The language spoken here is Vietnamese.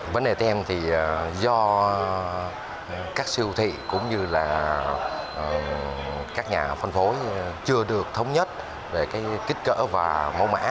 vấn đề tem thì do các siêu thị cũng như là các nhà phân phối chưa được thống nhất về kích cỡ và mẫu mã